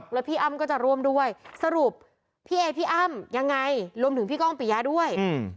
แล้วพี่อ้ำก็จะร่วมด้วยสรุปพี่เอพี่อ้ำยังไงรวมถึงพี่ก้องปิยะด้วย